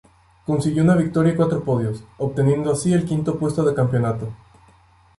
Consiguió una victoria y cuatro podios, obteniendo así el quinto puesto de campeonato.